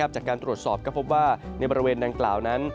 จากการตรวจสอบก็พบว่าในบริเวณดังกล่าวนั้น